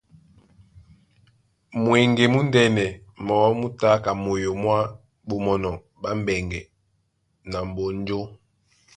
Mweŋge múndɛ̄nɛ mɔɔ́ mú tá ka moyo mwá Ɓomɔnɔ ɓá Mbɛŋgɛ na Mbonjó.